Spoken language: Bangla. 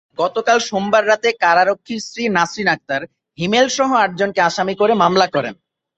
গতকাল সোমবার রাতে কারারক্ষীর স্ত্রী নাসরীন আক্তার হিমেলসহ আটজনকে আসামি করে মামলা করেন।